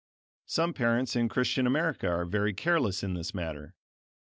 Some parents in Christian America are very careless in this matter.